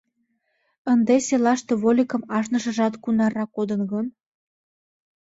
Ынде селаште вольыкым ашнышыжат кунаррак кодын гын?